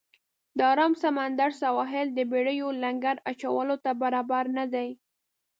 د آرام سمندر سواحل د بېړیو لنګر اچولو ته برابر نه دی.